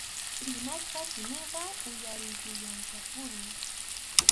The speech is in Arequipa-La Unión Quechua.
Rimasqa simiqa uyarikullanqapuni.